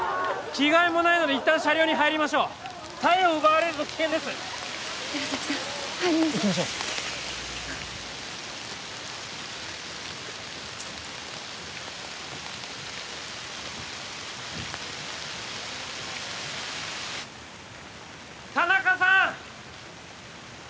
着替えもないので一旦車両に入りましょう体温を奪われると危険です寺崎さん入りましょう行きましょう田中さん